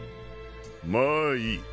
まあいい。